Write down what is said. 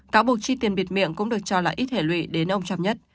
cáo buộc chi tiền biệt miệng cũng được cho là ít hệ lụy đến ông trump nhất